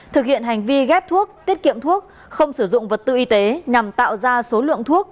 thực hiện hành vi ghép thuốc tiết kiệm thuốc không sử dụng vật tư y tế nhằm tạo ra số lượng thuốc